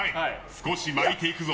少し巻いていくぞ！